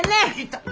痛っ！